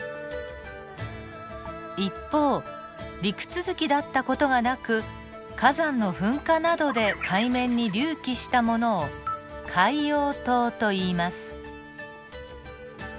一方陸続きだった事がなく火山の噴火などで海面に隆起したものを海洋島といいます。